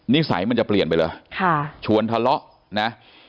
นิสัยมันจะเปลี่ยนไปเลยชวนทะเลาะนะ